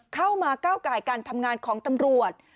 เข้ามาก้าวกายการทำงานของตำรวจ